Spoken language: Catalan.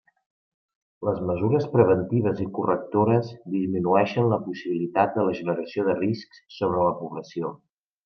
Les mesures preventives i correctores disminueixen la possibilitat de la generació de riscs sobre la població.